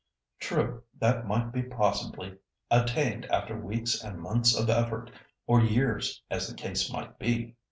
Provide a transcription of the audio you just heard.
True that might be possibly attained after weeks and months of effort, or years, as the case might be.